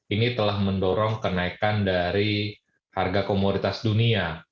ini telah mendorong kenaikan dari harga komoditas dunia